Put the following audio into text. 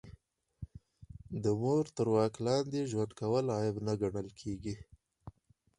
د مور تر واک لاندې ژوند کول عیب ګڼل کیږي